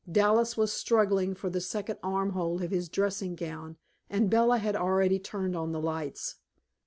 Dallas was struggling for the second armhole of his dressing gown and Bella had already turned on the lights.